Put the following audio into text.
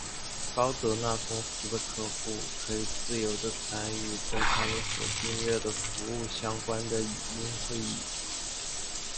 高德纳公司的客户可以自由的参与跟它们所订阅的服务相关的语音会议。